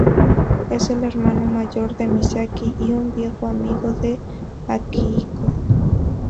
Es el hermano mayor de Misaki y un viejo amigo de Akihiko.